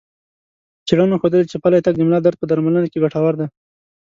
څېړنو ښودلي چې پلی تګ د ملا درد په درملنه کې ګټور دی.